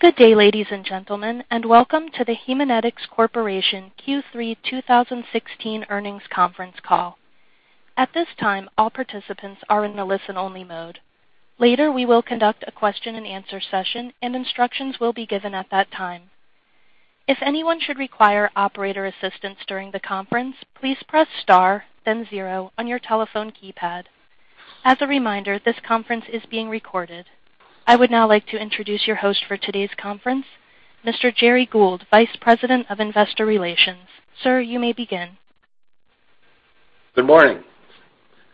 Good day, ladies and gentlemen, welcome to the Haemonetics Corporation Q3 2016 earnings conference call. At this time, all participants are in the listen-only mode. Later, we will conduct a question-and-answer session and instructions will be given at that time. If anyone should require operator assistance during the conference, please press star then 0 on your telephone keypad. As a reminder, this conference is being recorded. I would now like to introduce your host for today's conference, Mr. Gerry Gould, Vice President of Investor Relations. Sir, you may begin. Good morning.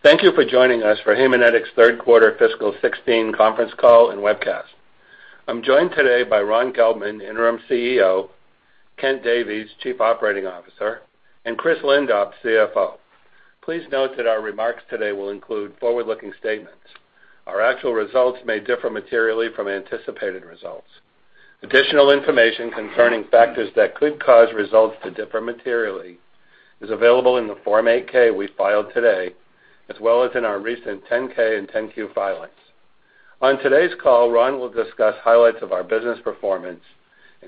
Thank you for joining us for Haemonetics' third quarter fiscal 2016 conference call and webcast. I'm joined today by Ronald Gelbman, Interim CEO, Kent Davies, Chief Operating Officer, and Christopher Lindop, CFO. Please note that our remarks today will include forward-looking statements. Our actual results may differ materially from anticipated results. Additional information concerning factors that could cause results to differ materially is available in the Form 8-K we filed today, as well as in our recent 10-K and 10-Q filings. On today's call, Ron will discuss highlights of our business performance,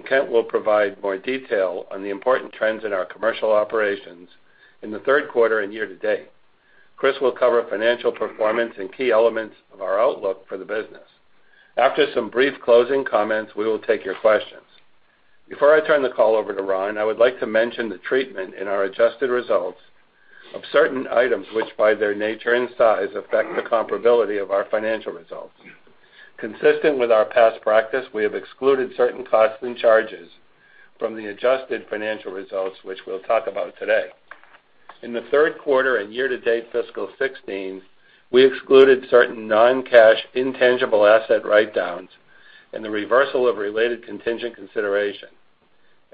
Kent will provide more detail on the important trends in our commercial operations in the third quarter and year-to-date. Chris will cover financial performance and key elements of our outlook for the business. After some brief closing comments, we will take your questions. Before I turn the call over to Ron, I would like to mention the treatment in our adjusted results of certain items, which by their nature and size, affect the comparability of our financial results. Consistent with our past practice, we have excluded certain costs and charges from the adjusted financial results, which we'll talk about today. In the third quarter and year-to-date fiscal 2016, we excluded certain non-cash intangible asset write-downs and the reversal of related contingent consideration.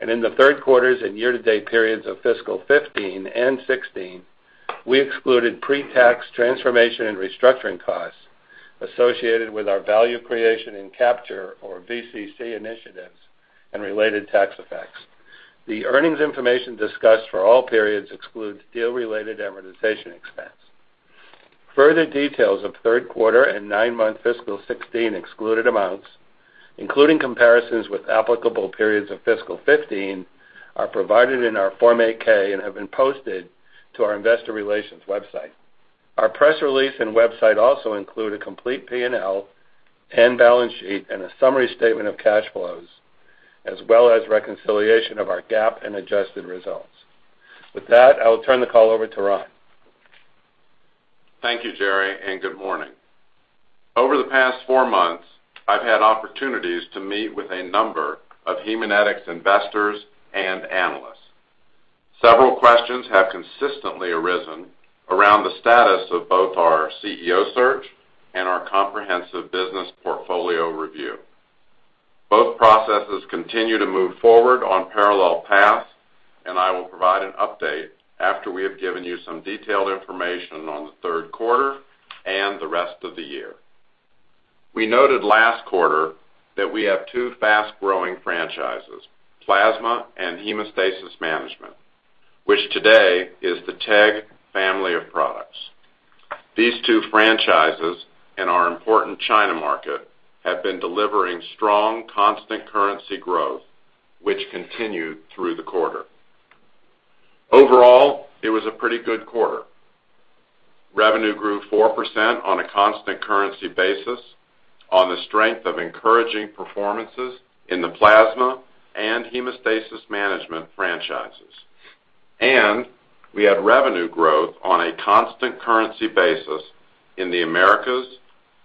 In the third quarters and year-to-date periods of fiscal 2015 and 2016, we excluded pre-tax transformation and restructuring costs associated with our Value Creation and Capture, or VCC initiatives, and related tax effects. The earnings information discussed for all periods excludes deal-related amortization expense. Further details of third quarter and nine-month fiscal 2016 excluded amounts, including comparisons with applicable periods of fiscal 2015, are provided in our Form 8-K and have been posted to our investor relations website. Our press release and website also include a complete P&L and balance sheet and a summary statement of cash flows, as well as reconciliation of our GAAP and adjusted results. With that, I will turn the call over to Ron. Thank you, Gerry, and good morning. Over the past four months, I've had opportunities to meet with a number of Haemonetics investors and analysts. Several questions have consistently arisen around the status of both our CEO search and our comprehensive business portfolio review. Both processes continue to move forward on parallel paths. I will provide an update after we have given you some detailed information on the third quarter and the rest of the year. We noted last quarter that we have two fast-growing franchises, plasma and hemostasis management, which today is the TEG family of products. These two franchises and our important China market have been delivering strong constant currency growth, which continued through the quarter. Overall, it was a pretty good quarter. Revenue grew 4% on a constant currency basis on the strength of encouraging performances in the plasma and hemostasis management franchises. We had revenue growth on a constant currency basis in the Americas,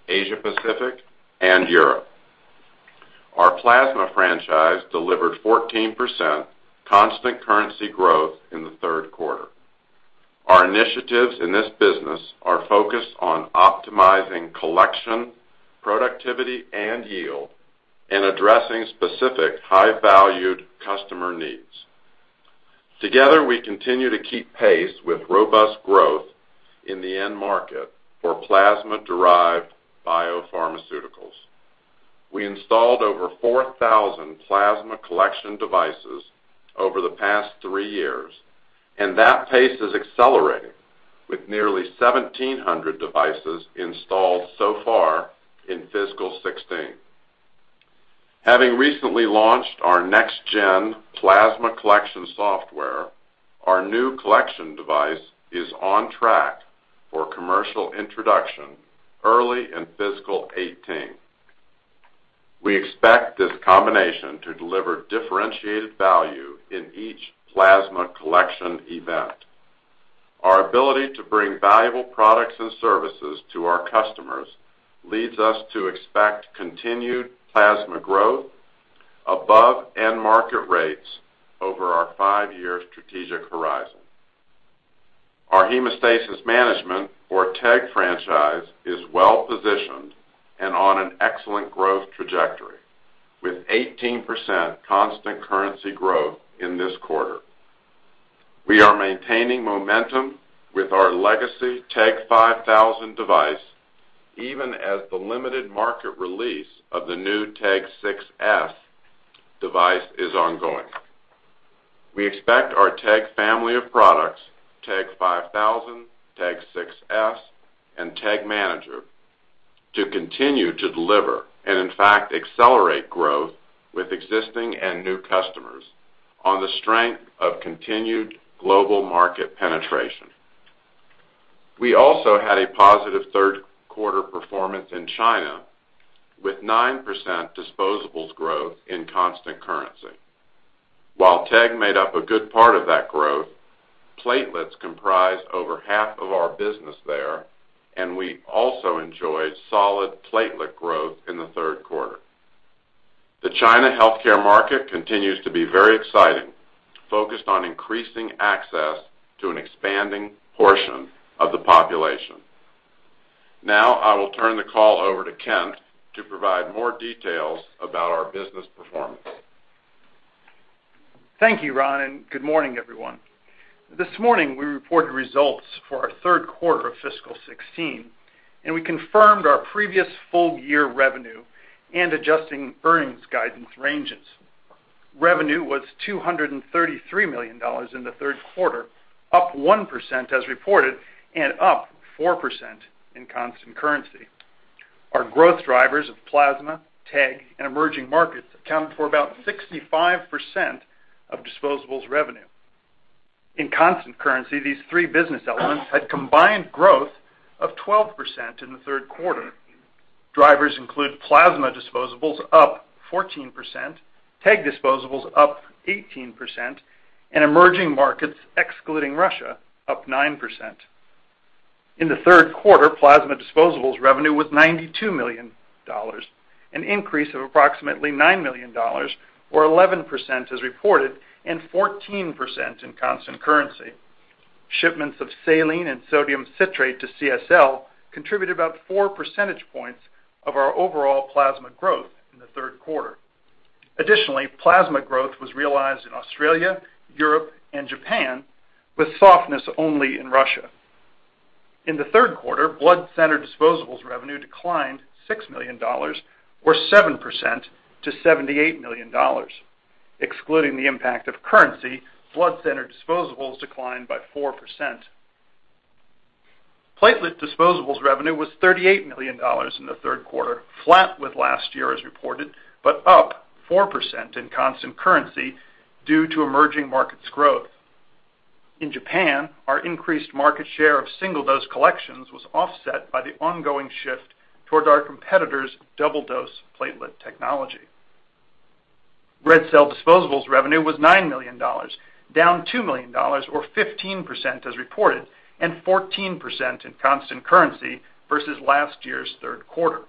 Asia Pacific, and Europe. Our plasma franchise delivered 14% constant currency growth in the third quarter. Our initiatives in this business are focused on optimizing collection, productivity, and yield in addressing specific high-valued customer needs. Together, we continue to keep pace with robust growth in the end market for plasma-derived biopharmaceuticals. We installed over 4,000 plasma collection devices over the past three years, and that pace is accelerating with nearly 1,700 devices installed so far in fiscal 2016. Having recently launched our next-gen plasma collection software, our new collection device is on track for commercial introduction early in fiscal 2018. We expect this combination to deliver differentiated value in each plasma collection event. Our ability to bring valuable products and services to our customers leads us to expect continued plasma growth above end market rates over our five-year strategic horizon. Our hemostasis management or TEG franchise is well positioned and on an excellent growth trajectory with 18% constant currency growth in this quarter. We are maintaining momentum with our legacy TEG 5000 device even as the limited market release of the new TEG 6s device is ongoing. We expect our TEG family of products, TEG 5000, TEG 6s, and TEG Manager, to continue to deliver and in fact, accelerate growth with existing and new customers on the strength of continued global market penetration. We also had a positive third quarter performance in China with 9% disposables growth in constant currency. While TEG made up a good part of that growth, platelets comprise over half of our business there. We also enjoyed solid platelet growth in the third quarter. The China healthcare market continues to be very exciting, focused on increasing access to an expanding portion of the population. Now, I will turn the call over to Kent to provide more details about our business performance. Thank you, Ron, and good morning, everyone. This morning, we reported results for our third quarter of fiscal 2016, and we confirmed our previous full-year revenue and adjusting earnings guidance ranges. Revenue was $233 million in the third quarter, up 1% as reported and up 4% in constant currency. Our growth drivers of plasma, TEG, and emerging markets accounted for about 65% of disposables revenue. In constant currency, these three business elements had combined growth of 12% in the third quarter. Drivers include plasma disposables up 14%, TEG disposables up 18%, and emerging markets, excluding Russia, up 9%. In the third quarter, plasma disposables revenue was $92 million, an increase of approximately $9 million or 11% as reported and 14% in constant currency. Shipments of saline and sodium citrate to CSL contributed about four percentage points of our overall plasma growth in the third quarter. Additionally, plasma growth was realized in Australia, Europe, and Japan, with softness only in Russia. In the third quarter, blood center disposables revenue declined $6 million or 7% to $78 million. Excluding the impact of currency, blood center disposables declined by 4%. Platelet disposables revenue was $38 million in the third quarter, flat with last year as reported, but up 4% in constant currency due to emerging markets growth. In Japan, our increased market share of single-dose collections was offset by the ongoing shift towards our competitor's double-dose platelet technology. Red cell disposables revenue was $9 million, down $2 million or 15% as reported and 14% in constant currency versus last year's third quarter.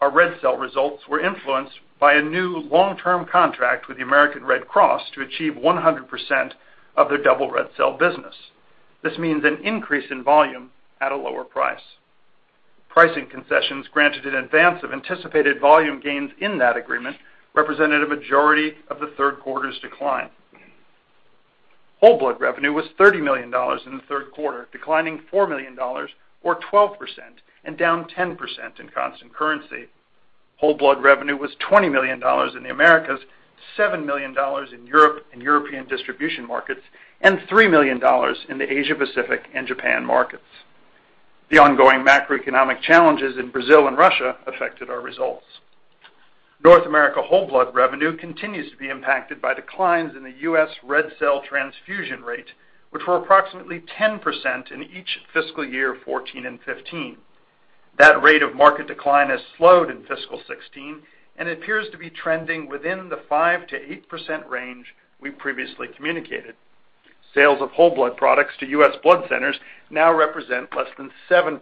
Our red cell results were influenced by a new long-term contract with the American Red Cross to achieve 100% of their double red cell business. This means an increase in volume at a lower price. Pricing concessions granted in advance of anticipated volume gains in that agreement represented a majority of the third quarter's decline. Whole blood revenue was $30 million in the third quarter, declining $4 million or 12% and down 10% in constant currency. Whole blood revenue was $20 million in the Americas, $7 million in Europe and European distribution markets, and $3 million in the Asia-Pacific and Japan markets. The ongoing macroeconomic challenges in Brazil and Russia affected our results. North America whole blood revenue continues to be impacted by declines in the U.S. red cell transfusion rate, which were approximately 10% in each fiscal year 2014 and 2015. That rate of market decline has slowed in fiscal 2016 and appears to be trending within the 5%-8% range we previously communicated. Sales of whole blood products to U.S. blood centers now represent less than 7%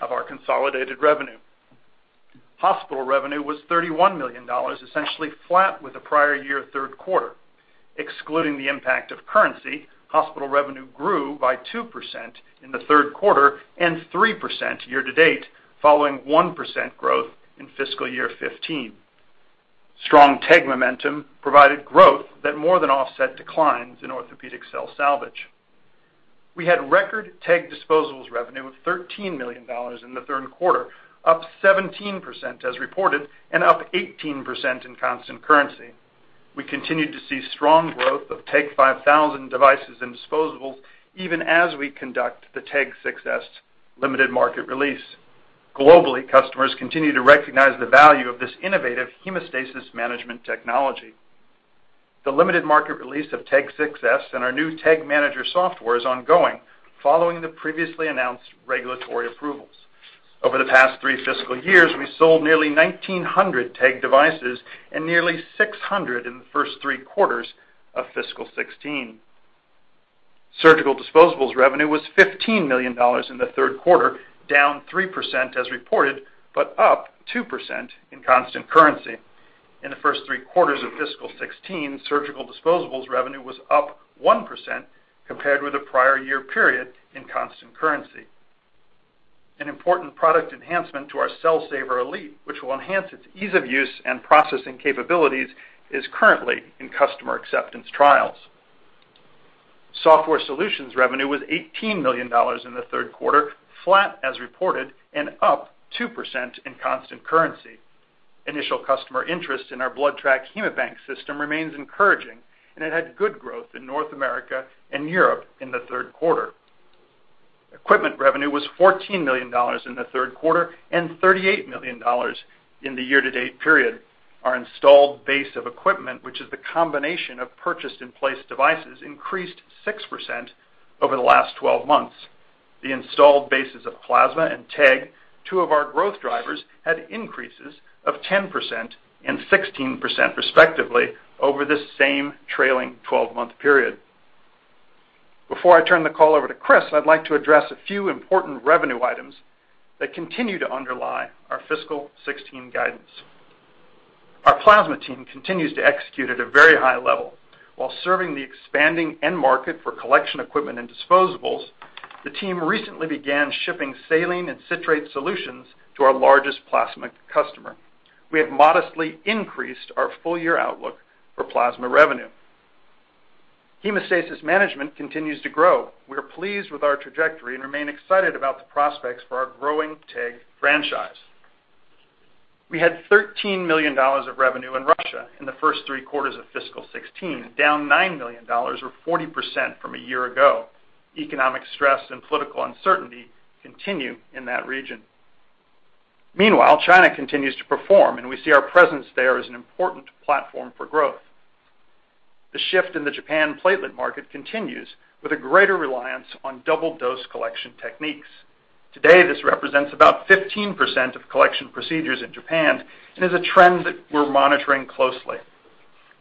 of our consolidated revenue. Hospital revenue was $31 million, essentially flat with the prior year third quarter. Excluding the impact of currency, hospital revenue grew by 2% in the third quarter and 3% year-to-date, following 1% growth in fiscal year 2015. Strong TEG momentum provided growth that more than offset declines in orthopedic cell salvage. We had record TEG disposables revenue of $13 million in the third quarter, up 17% as reported and up 18% in constant currency. We continued to see strong growth of TEG 5000 devices and disposables even as we conduct the TEG 6s limited market release. Globally, customers continue to recognize the value of this innovative hemostasis management technology. The limited market release of TEG 6s and our new TEG Manager software is ongoing following the previously announced regulatory approvals. Over the past three fiscal years, we sold nearly 1,900 TEG devices and nearly 600 in the first three quarters of fiscal 2016. Surgical disposables revenue was $15 million in the third quarter, down 3% as reported, but up 2% in constant currency. In the first three quarters of fiscal 2016, surgical disposables revenue was up 1% compared with the prior year period in constant currency. An important product enhancement to our Cell Saver Elite+, which will enhance its ease of use and processing capabilities, is currently in customer acceptance trials. Software solutions revenue was $18 million in the third quarter, flat as reported and up 2% in constant currency. Initial customer interest in our BloodTrack HaemoBank system remains encouraging, and it had good growth in North America and Europe in the third quarter. Equipment revenue was $14 million in the third quarter and $38 million in the year-to-date period. Our installed base of equipment, which is the combination of purchased in-place devices, increased 6% over the last 12 months. The installed bases of plasma and TEG, two of our growth drivers, had increases of 10% and 16%, respectively, over this same trailing 12-month period. Before I turn the call over to Chris, I'd like to address a few important revenue items that continue to underlie our fiscal 2016 guidance. Our plasma team continues to execute at a very high level. While serving the expanding end market for collection equipment and disposables, the team recently began shipping saline and citrate solutions to our largest plasma customer. We have modestly increased our full-year outlook for plasma revenue. Hemostasis management continues to grow. We are pleased with our trajectory and remain excited about the prospects for our growing TEG franchise. We had $13 million of revenue in Russia in the first three quarters of fiscal 2016, down $9 million or 40% from a year ago. Economic stress and political uncertainty continue in that region. Meanwhile, China continues to perform, and we see our presence there as an important platform for growth. The shift in the Japan platelet market continues with a greater reliance on double-dose collection techniques. Today, this represents about 15% of collection procedures in Japan and is a trend that we're monitoring closely.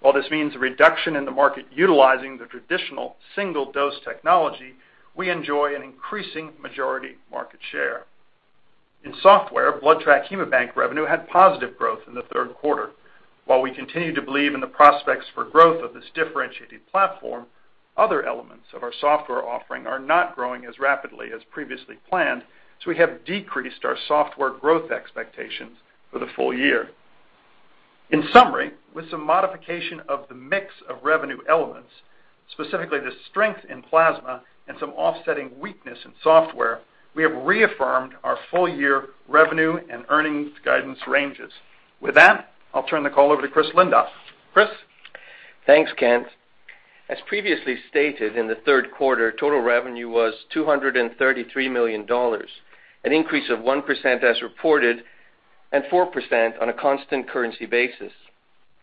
While this means a reduction in the market utilizing the traditional single-dose technology, we enjoy an increasing majority market share. In software, BloodTrack HaemoBank revenue had positive growth in the third quarter. While we continue to believe in the prospects for growth of this differentiating platform, other elements of our software offering are not growing as rapidly as previously planned. We have decreased our software growth expectations for the full-year. In summary, with some modification of the mix of revenue elements, specifically the strength in plasma and some offsetting weakness in software, we have reaffirmed our full-year revenue and earnings guidance ranges. With that, I'll turn the call over to Chris Lindop. Chris? Thanks, Kent. As previously stated, in the third quarter, total revenue was $233 million, an increase of 1% as reported and 4% on a constant currency basis.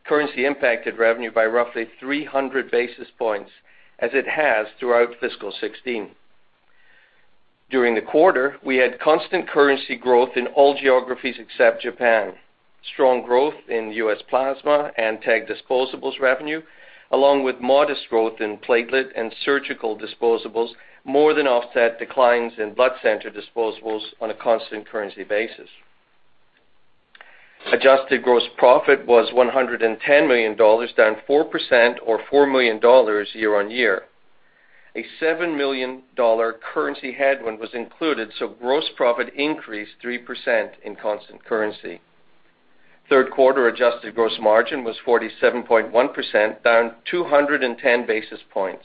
Currency impacted revenue by roughly 300 basis points as it has throughout fiscal 2016. During the quarter, we had constant currency growth in all geographies except Japan. Strong growth in U.S. plasma and TEG disposables revenue, along with modest growth in platelet and surgical disposables, more than offset declines in blood center disposables on a constant currency basis. Adjusted gross profit was $110 million, down 4% or $4 million year-over-year. A $7 million currency headwind was included. Gross profit increased 3% in constant currency. Third quarter adjusted gross margin was 47.1%, down 210 basis points.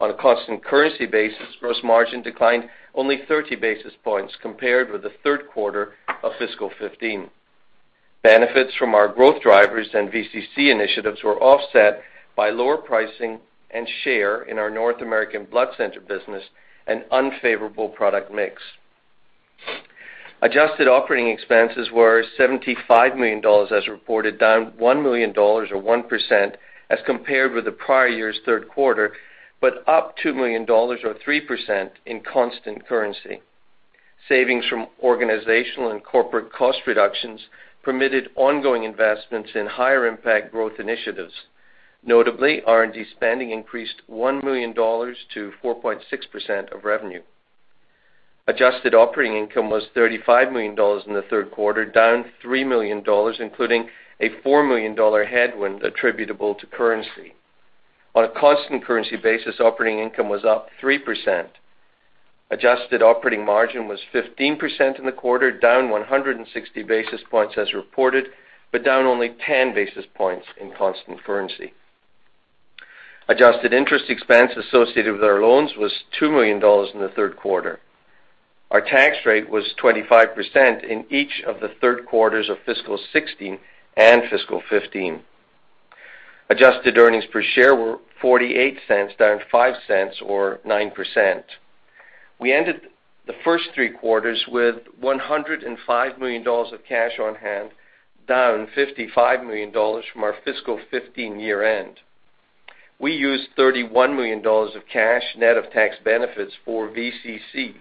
On a constant currency basis, gross margin declined only 30 basis points compared with the third quarter of fiscal 2015. Benefits from our growth drivers and VCC initiatives were offset by lower pricing and share in our North American blood center business and unfavorable product mix. Adjusted operating expenses were $75 million as reported, down $1 million or 1% as compared with the prior year's third quarter, but up $2 million or 3% in constant currency. Savings from organizational and corporate cost reductions permitted ongoing investments in higher impact growth initiatives. Notably, R&D spending increased $1 million to 4.6% of revenue. Adjusted operating income was $35 million in the third quarter, down $3 million, including a $4 million headwind attributable to currency. On a constant currency basis, operating income was up 3%. Adjusted operating margin was 15% in the quarter, down 160 basis points as reported, but down only 10 basis points in constant currency. Adjusted interest expense associated with our loans was $2 million in the third quarter. Our tax rate was 25% in each of the third quarters of fiscal 2016 and fiscal 2015. Adjusted earnings per share were $0.48, down $0.05 or 9%. We ended the first three quarters with $105 million of cash on hand, down $55 million from our fiscal 2015 year-end. We used $31 million of cash net of tax benefits for VCC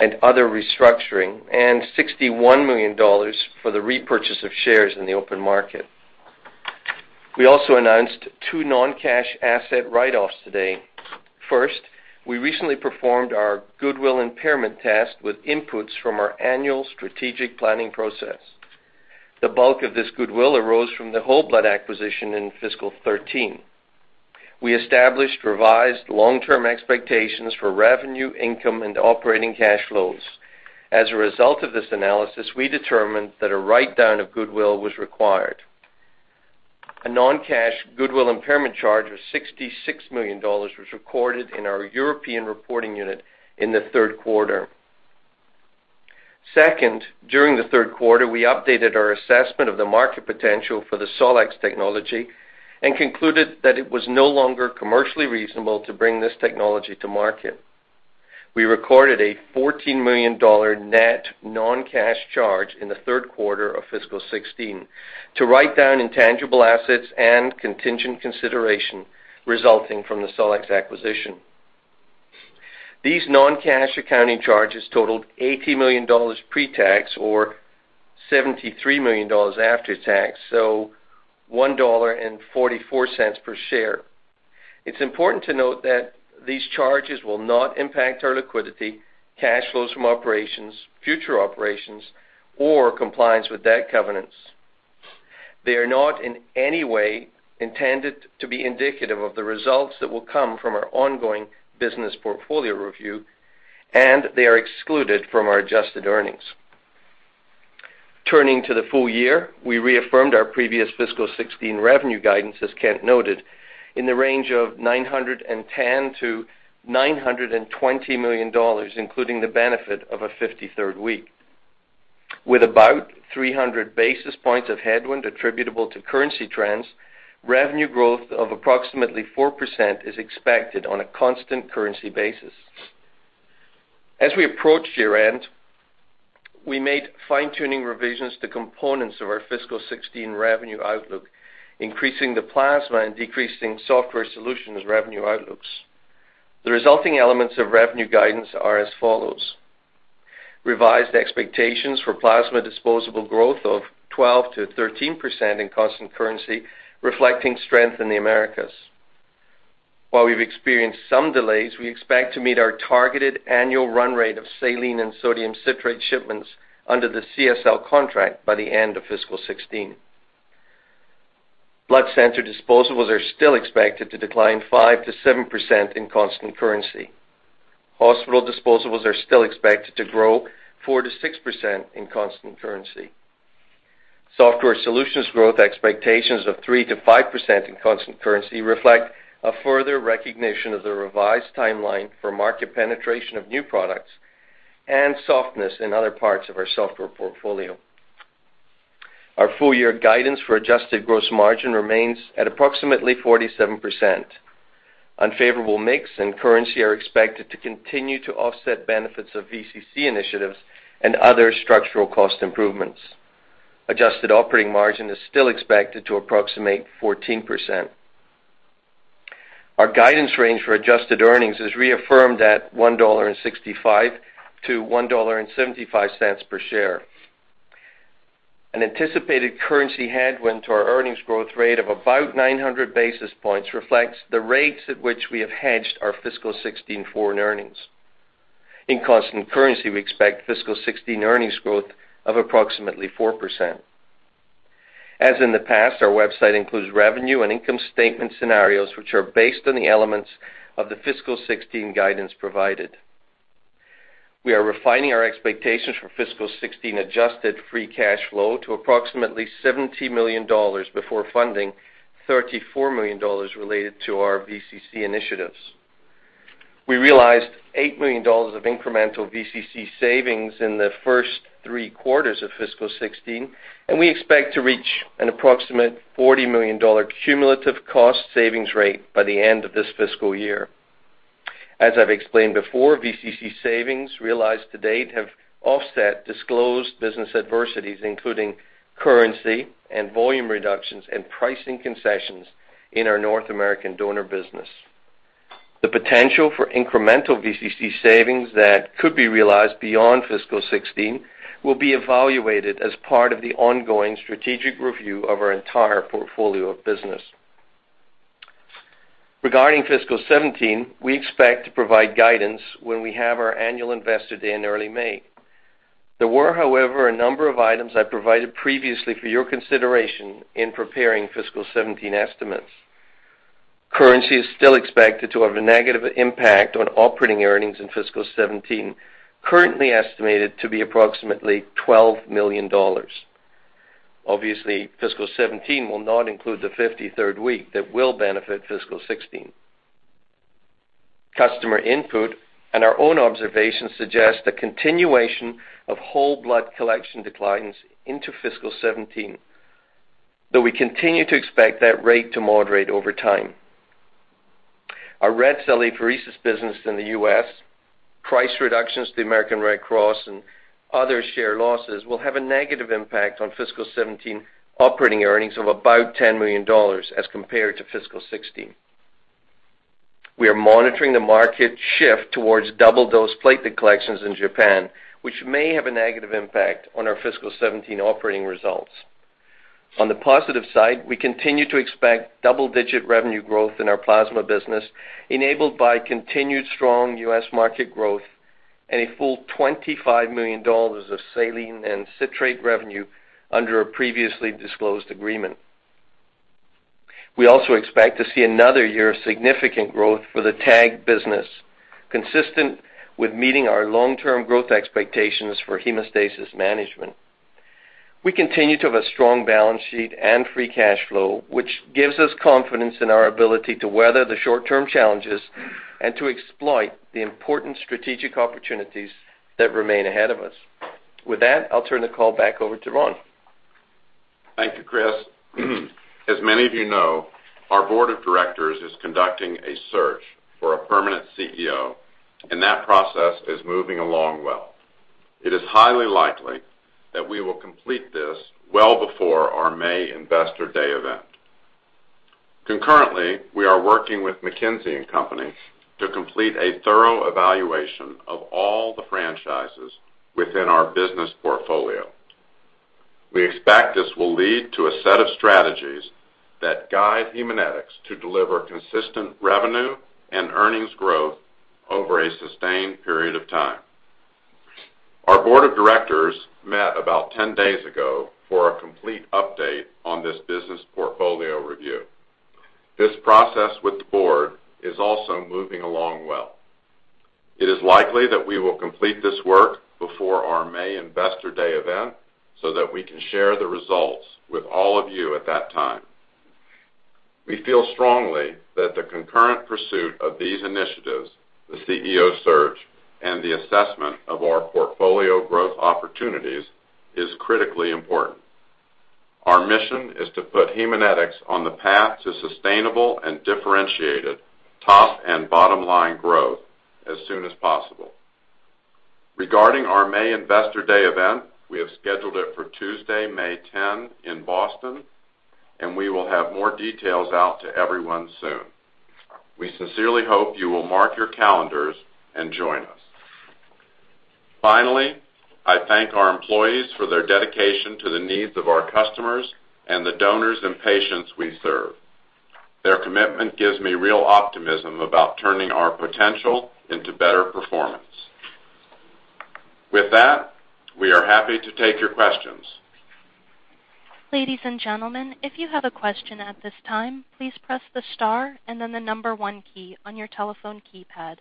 and other restructuring and $61 million for the repurchase of shares in the open market. We also announced two non-cash asset write-offs today. First, we recently performed our goodwill impairment test with inputs from our annual strategic planning process. The bulk of this goodwill arose from the whole blood acquisition in fiscal 2013. We established revised long-term expectations for revenue, income, and operating cash flows. As a result of this analysis, we determined that a write-down of goodwill was required. A non-cash goodwill impairment charge of $66 million was recorded in our European reporting unit in the third quarter. Second, during the third quarter, we updated our assessment of the market potential for the SOLX technology and concluded that it was no longer commercially reasonable to bring this technology to market. We recorded a $14 million net non-cash charge in the third quarter of fiscal 2016 to write down intangible assets and contingent consideration resulting from the SOLX acquisition. These non-cash accounting charges totaled $80 million pre-tax or $73 million after tax, $1.44 per share. It's important to note that these charges will not impact our liquidity, cash flows from operations, future operations, or compliance with debt covenants. They are not in any way intended to be indicative of the results that will come from our ongoing business portfolio review, and they are excluded from our adjusted earnings. Turning to the full year, we reaffirmed our previous fiscal 2016 revenue guidance, as Kent noted, in the range of $910 million-$920 million, including the benefit of a 53rd week. With about 300 basis points of headwind attributable to currency trends, revenue growth of approximately 4% is expected on a constant currency basis. As we approach year-end, we made fine-tuning revisions to components of our fiscal 2016 revenue outlook, increasing the plasma and decreasing Software Solutions revenue outlooks. The resulting elements of revenue guidance are as follows. Revised expectations for plasma disposable growth of 12%-13% in constant currency, reflecting strength in the Americas. While we've experienced some delays, we expect to meet our targeted annual run rate of saline and sodium citrate shipments under the CSL contract by the end of fiscal 2016. Blood center disposables are still expected to decline 5%-7% in constant currency. Hospital disposables are still expected to grow 4%-6% in constant currency. Software Solutions growth expectations of 3%-5% in constant currency reflect a further recognition of the revised timeline for market penetration of new products and softness in other parts of our software portfolio. Our full year guidance for adjusted gross margin remains at approximately 47%. Unfavorable mix and currency are expected to continue to offset benefits of VCC initiatives and other structural cost improvements. Adjusted operating margin is still expected to approximate 14%. Our guidance range for adjusted earnings is reaffirmed at $1.65-$1.75 per share. An anticipated currency headwind to our earnings growth rate of about 900 basis points reflects the rates at which we have hedged our fiscal 2016 foreign earnings. In constant currency, we expect fiscal 2016 earnings growth of approximately 4%. As in the past, our website includes revenue and income statement scenarios, which are based on the elements of the fiscal 2016 guidance provided. We are refining our expectations for fiscal 2016 adjusted free cash flow to approximately $70 million before funding $34 million related to our VCC initiatives. We realized $8 million of incremental VCC savings in the first three quarters of fiscal 2016, and we expect to reach an approximate $40 million cumulative cost savings rate by the end of this fiscal year. As I've explained before, VCC savings realized to date have offset disclosed business adversities, including currency and volume reductions in pricing concessions in our North American donor business. The potential for incremental VCC savings that could be realized beyond fiscal 2016 will be evaluated as part of the ongoing strategic review of our entire portfolio of business. Regarding fiscal 2017, we expect to provide guidance when we have our annual Investor Day in early May. There were, however, a number of items I provided previously for your consideration in preparing fiscal 2017 estimates. Currency is still expected to have a negative impact on operating earnings in fiscal 2017, currently estimated to be approximately $12 million. Obviously, fiscal 2017 will not include the 53rd week that will benefit fiscal 2016. Customer input and our own observations suggest a continuation of whole blood collection declines into fiscal 2017, though we continue to expect that rate to moderate over time. Our red cell apheresis business in the U.S., price reductions to the American Red Cross, and other share losses will have a negative impact on fiscal 2017 operating earnings of about $10 million as compared to fiscal 2016. We are monitoring the market shift towards double dose platelet collections in Japan, which may have a negative impact on our fiscal 2017 operating results. On the positive side, we continue to expect double-digit revenue growth in our plasma business, enabled by continued strong U.S. market growth and a full $25 million of saline and citrate revenue under a previously disclosed agreement. We also expect to see another year of significant growth for the TEG business, consistent with meeting our long-term growth expectations for hemostasis management. We continue to have a strong balance sheet and free cash flow, which gives us confidence in our ability to weather the short-term challenges and to exploit the important strategic opportunities that remain ahead of us. With that, I'll turn the call back over to Ron. Thank you, Chris. As many of you know, our board of directors is conducting a search for a permanent CEO, and that process is moving along well. It is highly likely that we will complete this well before our May investor day event. Concurrently, we are working with McKinsey & Company to complete a thorough evaluation of all the franchises within our business portfolio. We expect this will lead to a set of strategies that guide Haemonetics to deliver consistent revenue and earnings growth over a sustained period of time. Our board of directors met about 10 days ago for a complete update on this business portfolio review. This process with the board is also moving along well. It is likely that we will complete this work before our May investor day event, so that we can share the results with all of you at that time. We feel strongly that the concurrent pursuit of these initiatives, the CEO search, and the assessment of our portfolio growth opportunities is critically important. Our mission is to put Haemonetics on the path to sustainable and differentiated top and bottom-line growth as soon as possible. Regarding our May investor day event, we have scheduled it for Tuesday, May 10 in Boston, and we will have more details out to everyone soon. We sincerely hope you will mark your calendars and join us. Finally, I thank our employees for their dedication to the needs of our customers and the donors and patients we serve. Their commitment gives me real optimism about turning our potential into better performance. With that, we are happy to take your questions. Ladies and gentlemen, if you have a question at this time, please press the star and then the number one key on your telephone keypad.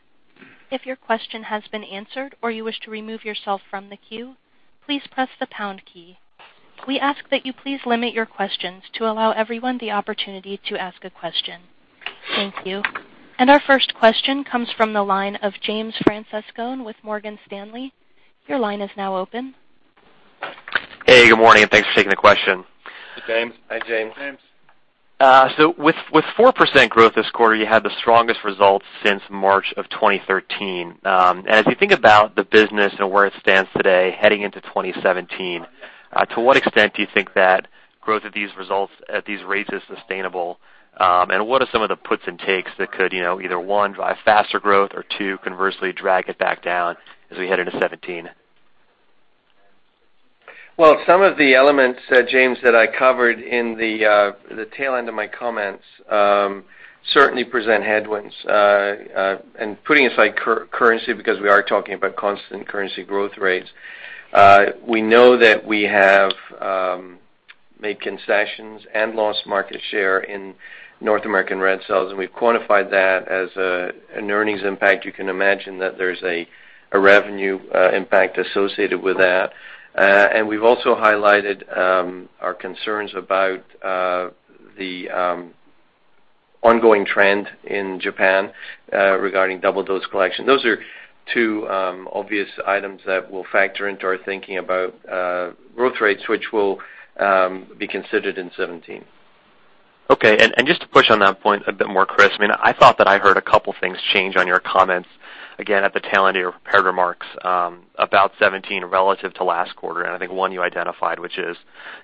If your question has been answered or you wish to remove yourself from the queue, please press the pound key. We ask that you please limit your questions to allow everyone the opportunity to ask a question. Thank you. Our first question comes from the line of James Francescone with Morgan Stanley. Your line is now open. Hey, good morning, thanks for taking the question. Hey, James. Hi, James. James. With 4% growth this quarter, you had the strongest results since March of 2013. As we think about the business and where it stands today heading into 2017, to what extent do you think that growth of these results at these rates is sustainable? What are some of the puts and takes that could either one, drive faster growth, or two, conversely drag it back down as we head into 2017? Well, some of the elements, James, that I covered in the tail end of my comments certainly present headwinds. Putting aside currency, because we are talking about constant currency growth rates, we know that we have made concessions and lost market share in North American red cells, we've quantified that as an earnings impact. You can imagine that there's a revenue impact associated with that. We've also highlighted our concerns about the ongoing trend in Japan regarding double-dose collection. Those are two obvious items that will factor into our thinking about growth rates, which will be considered in 2017. Okay. Just to push on that point a bit more, Chris, I thought that I heard a couple things change on your comments, again, at the tail end of your prepared remarks about 2017 relative to last quarter. I think one you identified, which is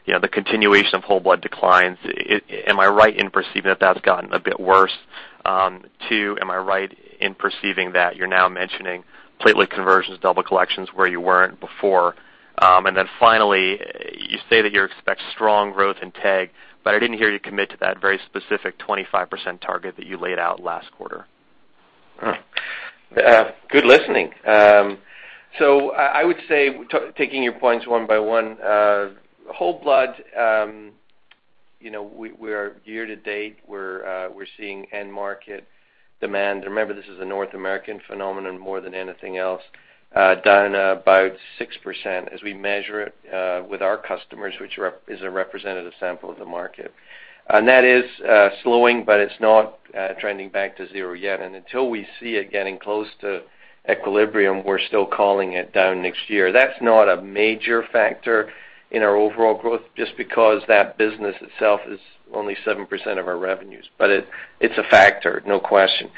the continuation of whole blood declines. Am I right in perceiving that that's gotten a bit worse? Two, am I right in perceiving that you're now mentioning platelet conversions, double collections where you weren't before? Finally, you say that you expect strong growth in TEG, but I didn't hear you commit to that very specific 25% target that you laid out last quarter. Good listening. I would say, taking your points one by one, whole blood, year to date, we're seeing end market demand, remember, this is a North American phenomenon more than anything else, down about 6% as we measure it with our customers, which is a representative sample of the market. That is slowing, but it's not trending back to zero yet. Until we see it getting close to equilibrium, we're still calling it down next year. That's not a major factor in our overall growth, just because that business itself is only 7% of our revenues. It's a factor, no question.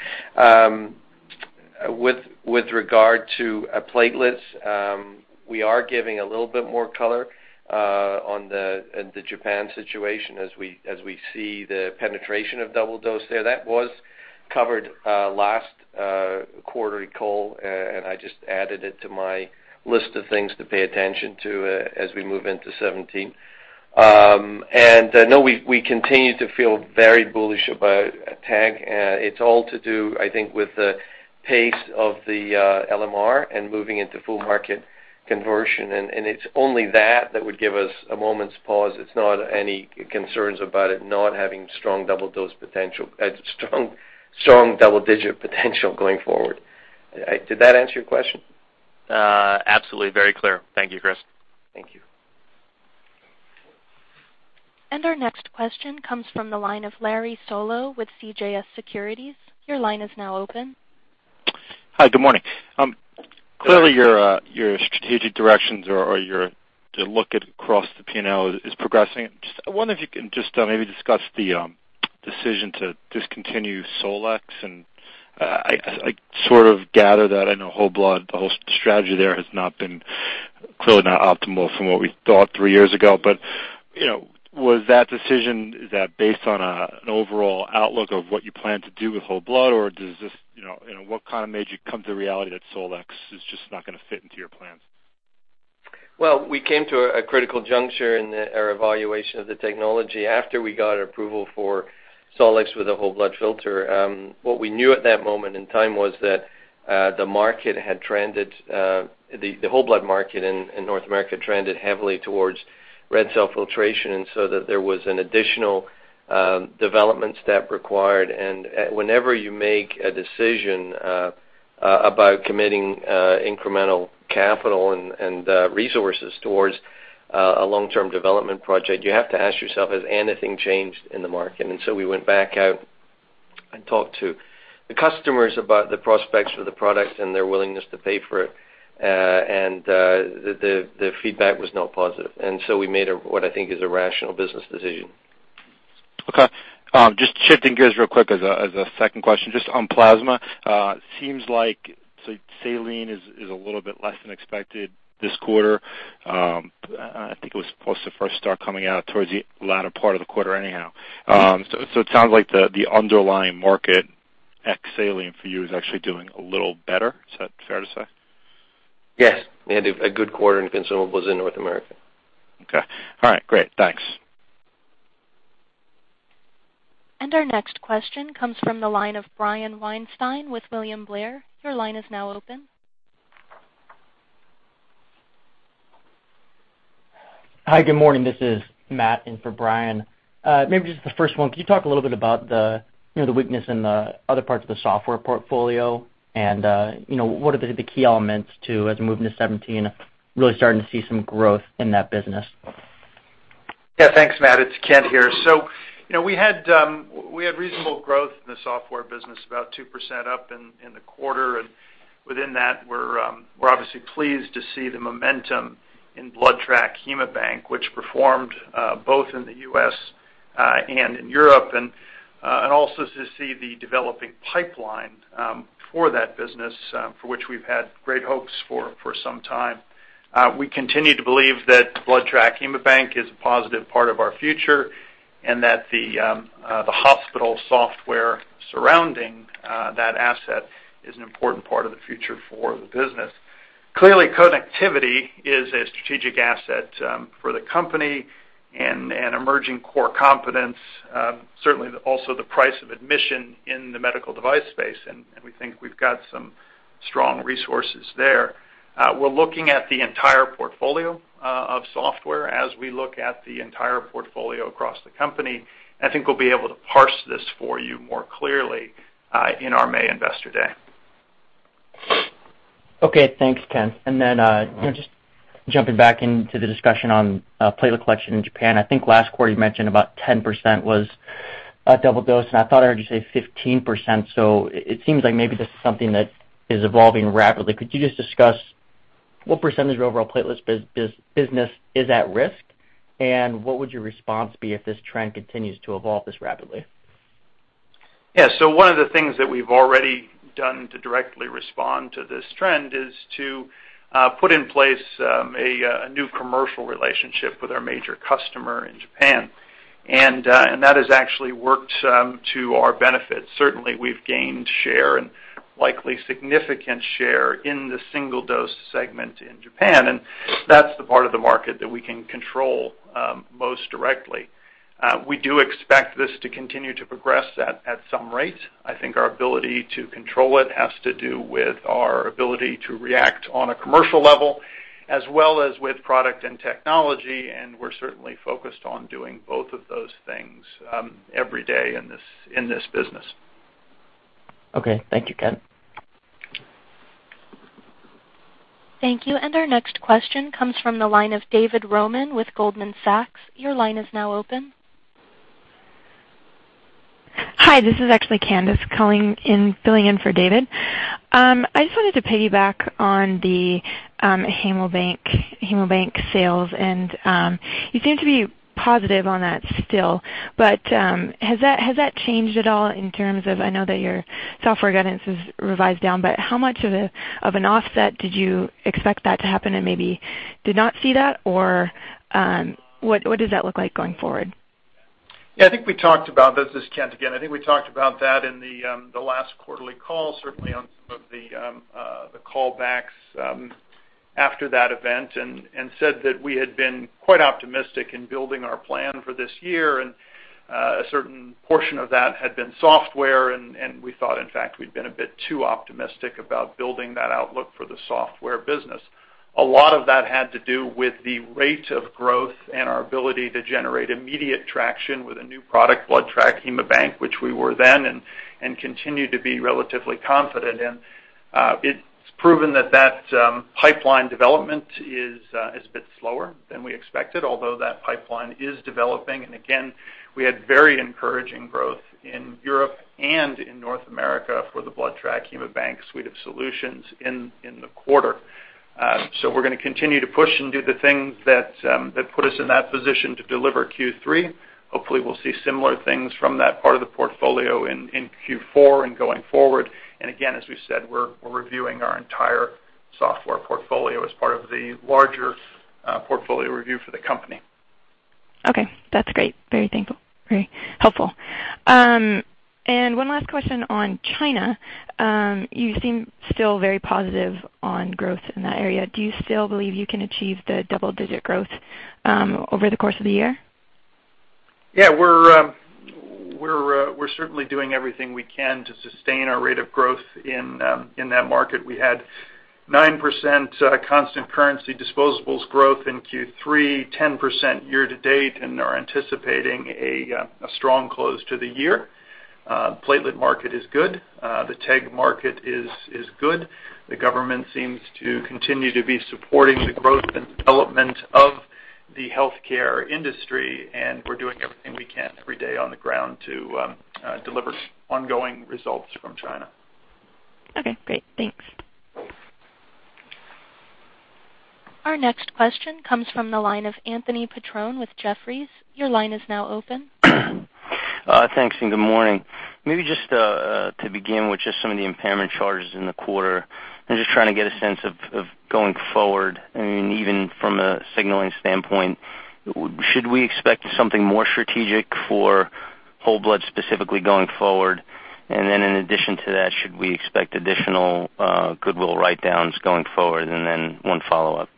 With regard to platelets, we are giving a little bit more color on the Japan situation as we see the penetration of double dose there. That was covered last quarterly call, I just added it to my list of things to pay attention to as we move into 2017. No, we continue to feel very bullish about TEG. It's all to do, I think, with the pace of the LMR and moving into full market conversion, it's only that that would give us a moment's pause. It's not any concerns about it not having strong double digit potential going forward. Did that answer your question? Absolutely. Very clear. Thank you, Chris. Thank you. Our next question comes from the line of Lawrence Solow with CJS Securities. Your line is now open. Hi, good morning. Clearly, your strategic directions or your look at across the P&L is progressing. I wonder if you can just maybe discuss the decision to discontinue SOLX, and I sort of gather that I know whole blood, the whole strategy there has not been clearly not optimal from what we thought three years ago, but was that decision is that based on an overall outlook of what you plan to do with whole blood? What made you come to the reality that SOLX is just not going to fit into your plans? Well, we came to a critical juncture in our evaluation of the technology after we got approval for SOLX with a whole blood filter. What we knew at that moment in time was that the whole blood market in North America trended heavily towards red cell filtration, so that there was an additional development step required. Whenever you make a decision about committing incremental capital and resources towards a long-term development project, you have to ask yourself, has anything changed in the market? We went back out and talked to the customers about the prospects for the product and their willingness to pay for it. The feedback was not positive. We made what I think is a rational business decision. Okay. Just shifting gears real quick as a second question, just on plasma. Seems like saline is a little bit less than expected this quarter. I think it was supposed to first start coming out towards the latter part of the quarter anyhow. It sounds like the underlying market ex saline for you is actually doing a little better. Is that fair to say? Yes. We had a good quarter in consumables in North America. Okay. All right, great. Thanks. Our next question comes from the line of Brian Weinstein with William Blair. Your line is now open. Hi, good morning. This is Matt in for Brian. Maybe just the first one, could you talk a little bit about the weakness in the other parts of the software portfolio and what are the key elements to, as we move into 2017, really starting to see some growth in that business? Yeah. Thanks, Matt. It's Kent here. We had reasonable growth in the software business, about 2% up in the quarter. Within that, we're obviously pleased to see the momentum in BloodTrack HaemoBank, which performed both in the U.S. and in Europe, and also to see the developing pipeline for that business, for which we've had great hopes for some time. We continue to believe that BloodTrack HaemoBank is a positive part of our future and that the hospital software surrounding that asset is an important part of the future for the business. Clearly, connectivity is a strategic asset for the company and an emerging core competence, certainly also the price of admission in the medical device space, and we think we've got some strong resources there. We're looking at the entire portfolio of software as we look at the entire portfolio across the company. I think we'll be able to parse this for you more clearly in our May investor day. Okay, thanks, Kent. Just jumping back into the discussion on platelet collection in Japan. I think last quarter you mentioned about 10% was a double dose, and I thought I heard you say 15%. It seems like maybe this is something that is evolving rapidly. Could you just discuss what percentage of overall platelets business is at risk, and what would your response be if this trend continues to evolve this rapidly? Yeah. One of the things that we've already done to directly respond to this trend is to put in place a new commercial relationship with our major customer in Japan. That has actually worked to our benefit. Certainly, we've gained share and likely significant share in the single-dose segment in Japan, that's the part of the market that we can control most directly. We do expect this to continue to progress at some rate. I think our ability to control it has to do with our ability to react on a commercial level as well as with product and technology, we're certainly focused on doing both of those things every day in this business. Okay. Thank you, Kent. Thank you. Our next question comes from the line of David Roman with Goldman Sachs. Your line is now open. Hi, this is actually Candice calling in, filling in for David. I just wanted to piggyback on the HaemoBank sales, you seem to be positive on that still, has that changed at all in terms of, I know that your software guidance is revised down, how much of an offset did you expect that to happen and maybe did not see that, or what does that look like going forward? This is Kent again. I think we talked about that in the last quarterly call, certainly on some of the call backs after that event and said that we had been quite optimistic in building our plan for this year, a certain portion of that had been software, we thought, in fact, we'd been a bit too optimistic about building that outlook for the software business. A lot of that had to do with the rate of growth and our ability to generate immediate traction with a new product, BloodTrack HaemoBank, which we were then and continue to be relatively confident in. It's proven that that pipeline development is a bit slower than we expected, although that pipeline is developing. Again, we had very encouraging growth in Europe and in North America for the BloodTrack HaemoBank suite of solutions in the quarter. We're going to continue to push and do the things that put us in that position to deliver Q3. Hopefully, we'll see similar things from that part of the portfolio in Q4 and going forward. Again, as we said, we're reviewing our entire software portfolio as part of the larger portfolio review for the company. That's great. Very thankful. Very helpful. One last question on China. You seem still very positive on growth in that area. Do you still believe you can achieve the double-digit growth over the course of the year? Yeah, we're certainly doing everything we can to sustain our rate of growth in that market. We had 9% constant currency disposables growth in Q3, 10% year to date, and are anticipating a strong close to the year. Platelet market is good. The TEG market is good. The government seems to continue to be supporting the growth and development of the healthcare industry, and we're doing everything we can every day on the ground to deliver ongoing results from China. Okay, great. Thanks. Our next question comes from the line of Anthony Petrone with Jefferies. Your line is now open. Thanks. Good morning. Maybe just to begin with just some of the impairment charges in the quarter and just trying to get a sense of going forward, even from a signaling standpoint, should we expect something more strategic for whole blood specifically going forward? In addition to that, should we expect additional goodwill write-downs going forward? One follow-up.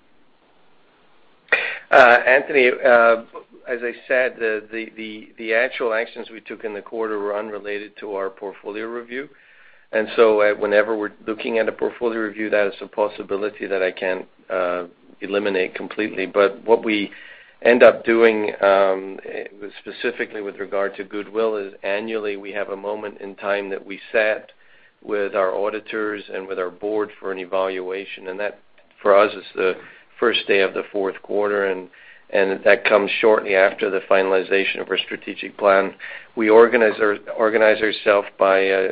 Anthony, as I said, the actual actions we took in the quarter were unrelated to our portfolio review. Whenever we're looking at a portfolio review, that is a possibility that I can't eliminate completely. What we end up doing, specifically with regard to goodwill, is annually we have a moment in time that we sat with our auditors and with our board for an evaluation. That for us is the first day of the fourth quarter, and that comes shortly after the finalization of our strategic plan. We organize ourself by,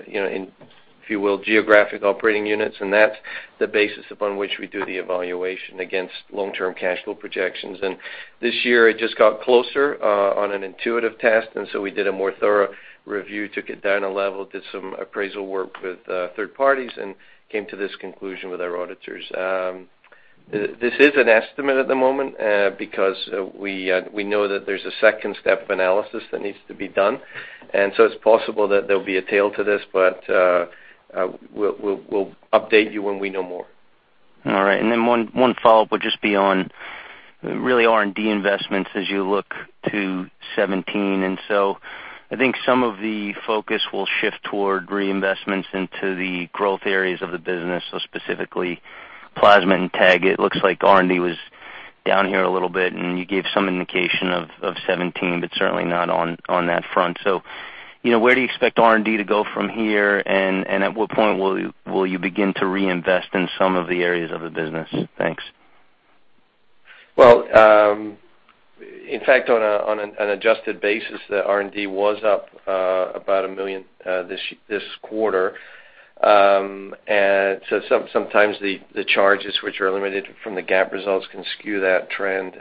if you will, geographic operating units, and that's the basis upon which we do the evaluation against long-term cash flow projections. This year it just got closer on an intuitive test, we did a more thorough review, took it down a level, did some appraisal work with third parties, and came to this conclusion with our auditors. This is an estimate at the moment because we know that there's a second step of analysis that needs to be done. It's possible that there'll be a tail to this, but we'll update you when we know more. All right. One follow-up would just be on really R&D investments as you look to 2017. I think some of the focus will shift toward reinvestments into the growth areas of the business, specifically plasma and TEG. It looks like R&D was down here a little bit and you gave some indication of 2017, but certainly not on that front. Where do you expect R&D to go from here? At what point will you begin to reinvest in some of the areas of the business? Thanks. Well, in fact, on an adjusted basis, the R&D was up about $1 million this quarter. Sometimes the charges which are eliminated from the GAAP results can skew that trend.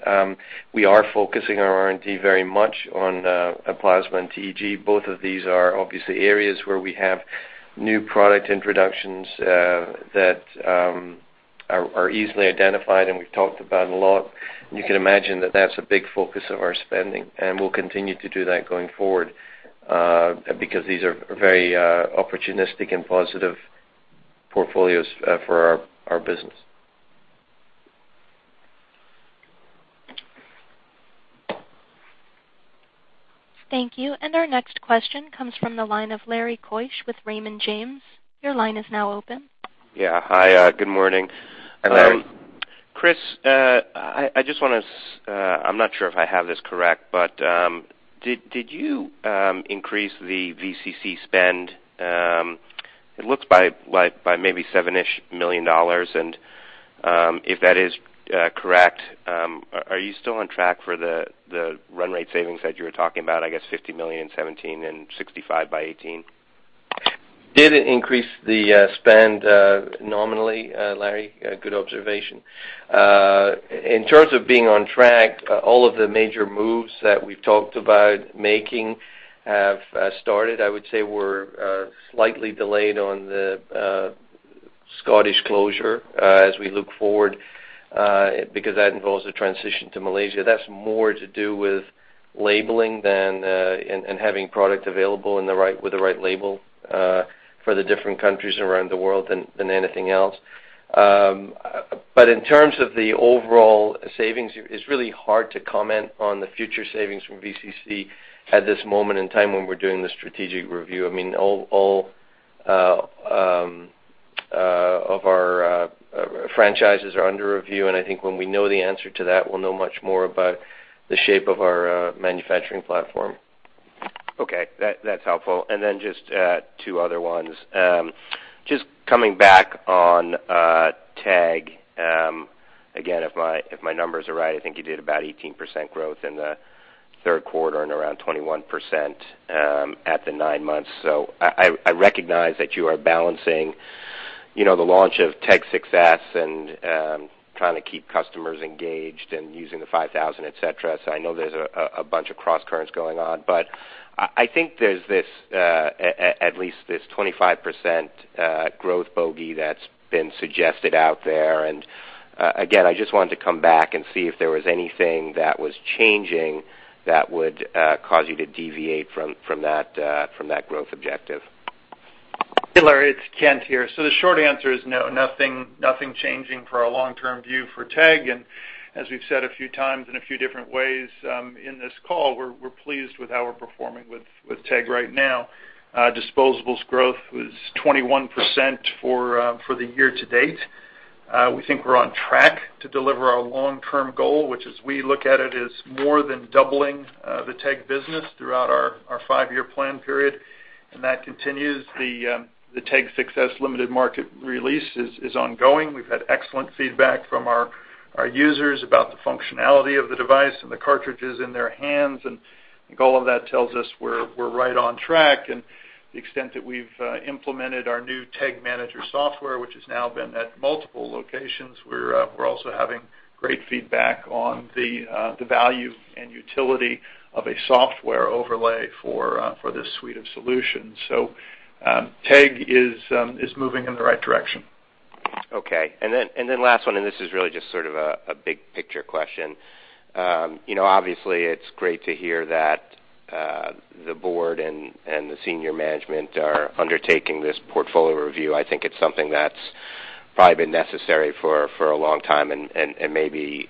We are focusing our R&D very much on plasma and TEG. Both of these are obviously areas where we have new product introductions that are easily identified, and we've talked about them a lot. You can imagine that that's a big focus of our spending, and we'll continue to do that going forward because these are very opportunistic and positive portfolios for our business. Thank you. Our next question comes from the line of Larry Keusch with Raymond James. Your line is now open. Yeah. Hi, good morning. Hi, Larry. Chris, I'm not sure if I have this correct, but did you increase the VCC spend, it looks by maybe $ seven-ish million? If that is correct, are you still on track for the run rate savings that you were talking about, I guess $50 million in 2017 and $65 million by 2018? Did increase the spend nominally, Larry. Good observation. In terms of being on track, all of the major moves that we've talked about making have started. I would say we're slightly delayed on the Scottish closure as we look forward because that involves a transition to Malaysia. That's more to do with labeling and having product available with the right label for the different countries around the world than anything else. In terms of the overall savings, it's really hard to comment on the future savings from VCC at this moment in time when we're doing the strategic review. All of our franchises are under review, I think when we know the answer to that, we'll know much more about the shape of our manufacturing platform. Okay, that's helpful. Then just two other ones. Just coming back on TEG. Again, if my numbers are right, I think you did about 18% growth in the third quarter and around 21% at the nine months. I recognize that you are balancing the launch of TEG 6s and trying to keep customers engaged and using the 5000, et cetera. I know there's a bunch of crosscurrents going on, I think there's at least this 25% growth bogey that's been suggested out there. Again, I just wanted to come back and see if there was anything that was changing that would cause you to deviate from that growth objective. Larry, it's Kent here. The short answer is no, nothing changing for our long-term view for TEG. As we've said a few times in a few different ways in this call, we're pleased with how we're performing with TEG right now. Disposables growth was 21% for the year to date. We think we're on track to deliver our long-term goal, which as we look at it, is more than doubling the TEG business throughout our five-year plan period, that continues. The TEG 6s limited market release is ongoing. We've had excellent feedback from our users about the functionality of the device and the cartridges in their hands, I think all of that tells us we're right on track. The extent that we've implemented our new TEG Manager software, which has now been at multiple locations, we're also having great feedback on the value and utility of a software overlay for this suite of solutions. TEG is moving in the right direction. Okay. Last one, this is really just sort of a big-picture question. Obviously, it's great to hear that the board and the senior management are undertaking this portfolio review. I think it's something that's probably been necessary for a long time, maybe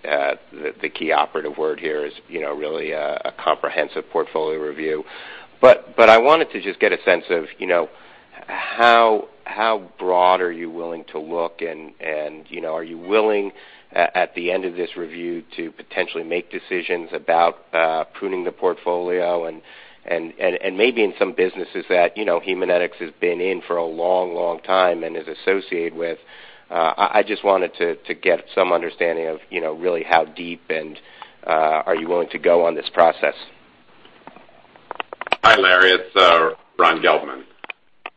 the key operative word here is really a comprehensive portfolio review. I wanted to just get a sense of how broad are you willing to look, are you willing, at the end of this review, to potentially make decisions about pruning the portfolio maybe in some businesses that Haemonetics has been in for a long, long time and is associated with. I just wanted to get some understanding of really how deep are you willing to go on this process? Hi, Larry, it's Ron Gelbman.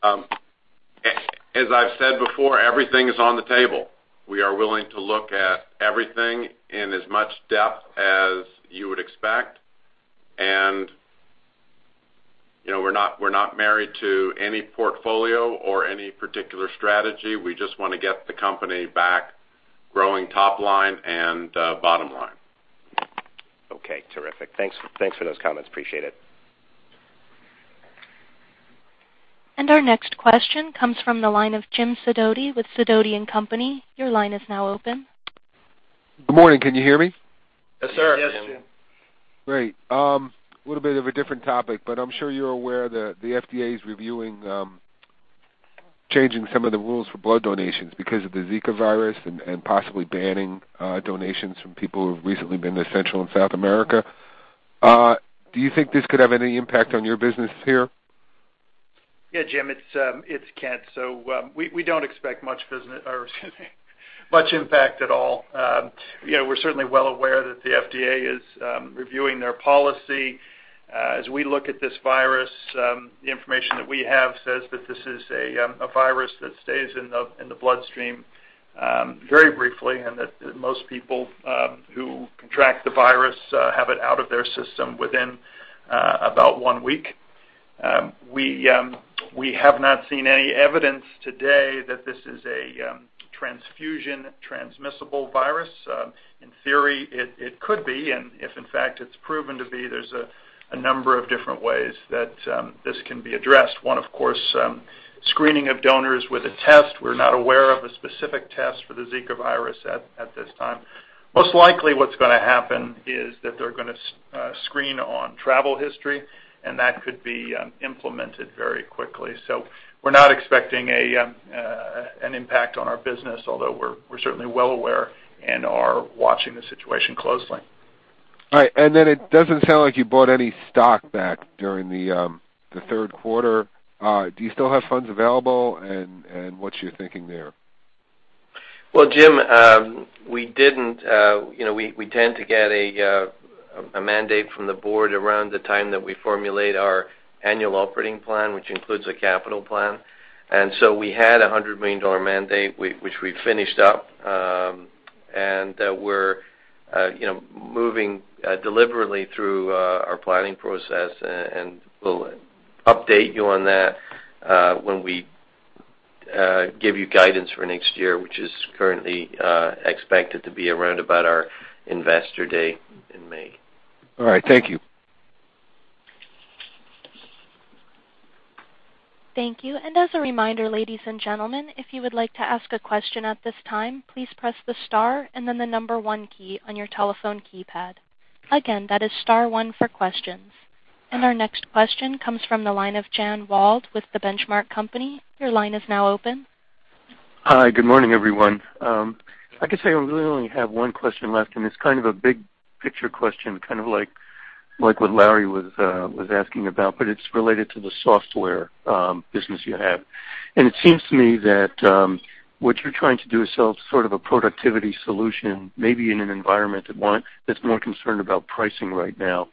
As I've said before, everything is on the table. We are willing to look at everything in as much depth as you would expect. We're not married to any portfolio or any particular strategy. We just want to get the company back growing top line and bottom line. Okay, terrific. Thanks for those comments. Appreciate it. Our next question comes from the line of Jim Sidoti with Sidoti & Company. Your line is now open. Good morning. Can you hear me? Yes, sir. Yes, Jim. Great. Little bit of a different topic. I'm sure you're aware that the FDA is reviewing changing some of the rules for blood donations because of the Zika virus, and possibly banning donations from people who've recently been to Central and South America. Do you think this could have any impact on your business here? Jim, it's Kent. We don't expect much business or much impact at all. We're certainly well aware that the FDA is reviewing their policy. As we look at this virus, the information that we have says that this is a virus that stays in the bloodstream very briefly and that most people who contract the virus have it out of their system within about one week. We have not seen any evidence to date that this is a transfusion-transmissible virus. In theory, it could be, and if in fact it's proven to be, there's a number of different ways that this can be addressed. One, of course, screening of donors with a test. We're not aware of a specific test for the Zika virus at this time. Most likely what's going to happen is that they're going to screen on travel history, and that could be implemented very quickly. We're not expecting an impact on our business, although we're certainly well aware and are watching the situation closely. All right. It doesn't sound like you bought any stock back during the third quarter. Do you still have funds available, and what's your thinking there? Well, Jim, we tend to get a mandate from the board around the time that we formulate our annual operating plan, which includes a capital plan. We had a $100 million mandate, which we finished up, and we're moving deliberately through our planning process, and we'll update you on that when we give you guidance for next year, which is currently expected to be around about our investor day in May. All right. Thank you. Thank you. As a reminder, ladies and gentlemen, if you would like to ask a question at this time, please press the star and then the number one key on your telephone keypad. Again, that is star one for questions. Our next question comes from the line of Jan Wald with The Benchmark Company. Your line is now open. Hi. Good morning, everyone. I can say I really only have one question left, it's kind of a big picture question, kind of like what Larry was asking about, but it's related to the software business you have. It seems to me that what you're trying to do is sell sort of a productivity solution, maybe in an environment that's more concerned about pricing right now.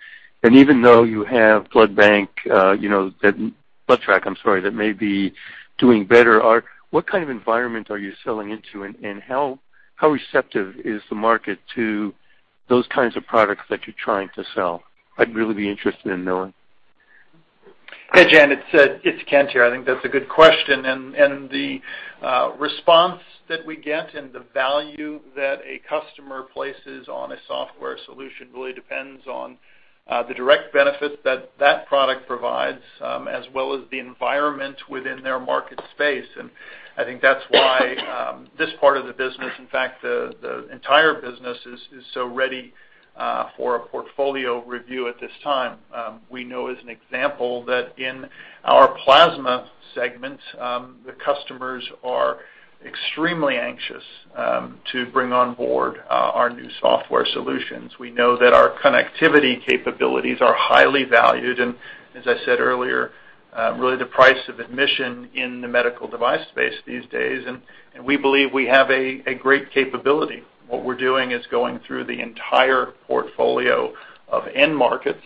Even though you have Blood Bank, BloodTrack, I'm sorry, that may be doing better, what kind of environment are you selling into? How receptive is the market to those kinds of products that you're trying to sell? I'd really be interested in knowing. Hey, Jan, it's Kent here. I think that's a good question, the response that we get and the value that a customer places on a software solution really depends on the direct benefit that that product provides, as well as the environment within their market space. I think that's why this part of the business, in fact, the entire business, is so ready for a portfolio review at this time. We know as an example that in our plasma segment, the customers are extremely anxious to bring on board our new software solutions. We know that our connectivity capabilities are highly valued and, as I said earlier, really the price of admission in the medical device space these days, we believe we have a great capability. What we're doing is going through the entire portfolio of end markets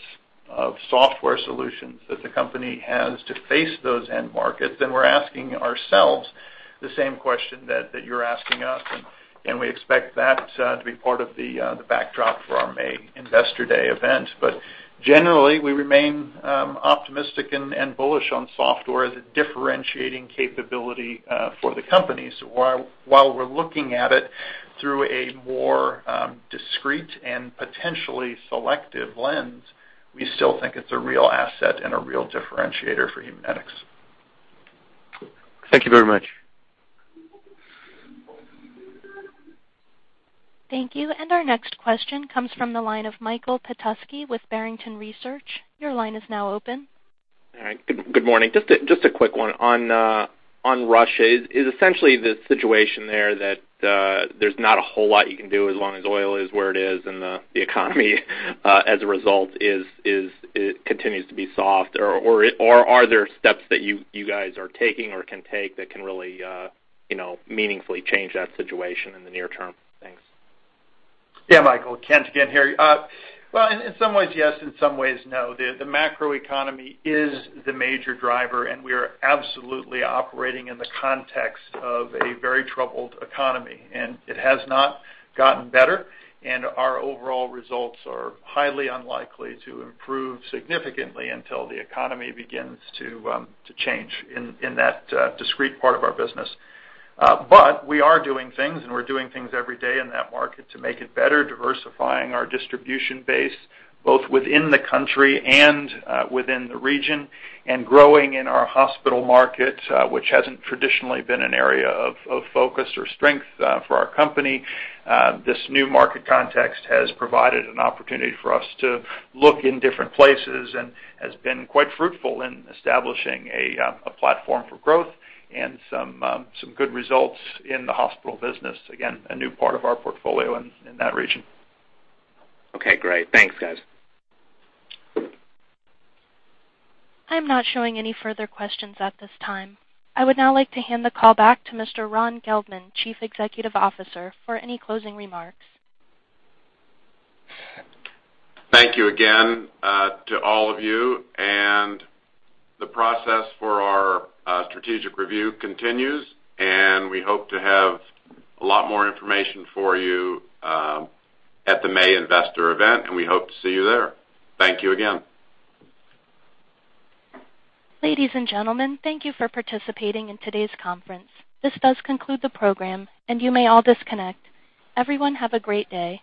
of software solutions that the company has to face those end markets, we're asking ourselves the same question that you're asking us, we expect that to be part of the backdrop for our May investor day event. Generally, we remain optimistic and bullish on software as a differentiating capability for the company. While we're looking at it through a more discreet and potentially selective lens, we still think it's a real asset and a real differentiator for Haemonetics. Thank you very much. Thank you. Our next question comes from the line of Michael Petusky with Barrington Research. Your line is now open. All right. Good morning. Just a quick one on Russia. Is essentially the situation there that there's not a whole lot you can do as long as oil is where it is and the economy as a result continues to be soft? Are there steps that you guys are taking or can take that can really meaningfully change that situation in the near term? Thanks. Yeah, Michael, Kent again here. Well, in some ways, yes. In some ways, no. The macroeconomy is the major driver. We are absolutely operating in the context of a very troubled economy. It has not gotten better, and our overall results are highly unlikely to improve significantly until the economy begins to change in that discreet part of our business. We are doing things, and we're doing things every day in that market to make it better, diversifying our distribution base, both within the country and within the region, and growing in our hospital market, which hasn't traditionally been an area of focus or strength for our company. This new market context has provided an opportunity for us to look in different places and has been quite fruitful in establishing a platform for growth and some good results in the hospital business. Again, a new part of our portfolio in that region. Okay, great. Thanks, guys. I'm not showing any further questions at this time. I would now like to hand the call back to Mr. Ron Gelbman, Chief Executive Officer, for any closing remarks. Thank you again to all of you. The process for our strategic review continues, and we hope to have a lot more information for you at the May investor event, and we hope to see you there. Thank you again. Ladies and gentlemen, thank you for participating in today's conference. This does conclude the program, and you may all disconnect. Everyone have a great day.